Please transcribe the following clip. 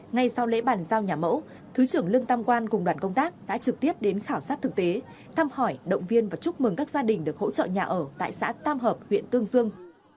ngay sau lễ bàn giao nhà mẫu thứ trưởng lương tam quang cùng đoàn công tác đã trực tiếp đến khảo sát thực tế thăm hỏi động viên và chúc mừng các gia đình được hỗ trợ nhà ở tại xã tam hợp huyện tương dương